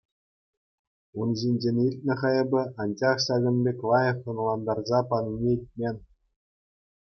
Ун ҫинчен илтнӗ-ха эпӗ Анчах ҫакӑн пек лайӑх ӑнлантарса панине илтмен.